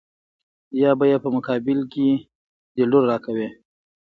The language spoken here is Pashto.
يا به يې په مقابل کې دې لور را کوې.